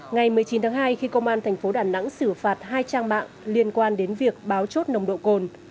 ngày một mươi chín tháng hai khi công an thành phố đà nẵng xử phạt hai trang mạng liên quan đến việc báo chốt nồng độ cồn